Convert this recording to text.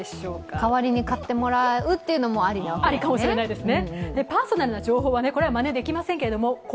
代わりに買ってもらうっていうのもありかもしれないですね。